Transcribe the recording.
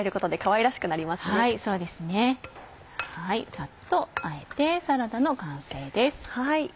サッとあえてサラダの完成です。